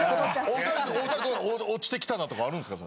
お２人落ちてきたなとかあるんですか？